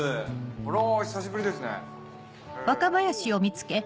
あら久しぶりですね。